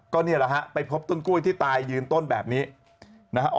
เค้าบอกลูกมั้ย๑๒๓๔แต่พึ่งตัดทิ้งนะ